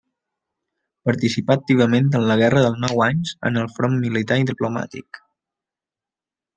Participà activament en la Guerra dels Nou Anys en els fronts militar i diplomàtic.